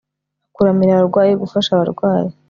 kuramira abarwayi gufasha abarwayi